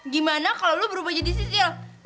gimana kalau lo berubah jadi sisil